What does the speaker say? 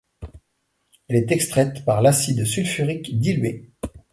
Elle est extraite par l'acide sulfurique dilué.